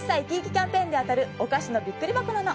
キャンペーンで当たるお菓子のびっくり箱なの。